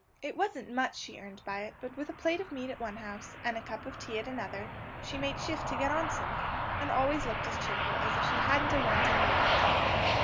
It wasn't much she earned by it; but with a plate of meat at one house, and a cup of tea at another, she made shift to get on somehow, and always looked as cheerful as if she hadn't a want in the world.